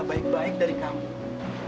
apa penyakit ibu ngakumat lagi terus makin parah